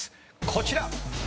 こちら。